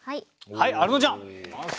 はいアルノちゃん。